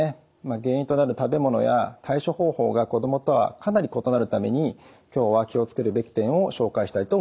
原因となる食べ物や対処方法が子どもとはかなり異なるために今日は気を付けるべき点を紹介したいと思います。